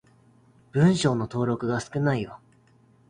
文章の登録が少ないよ。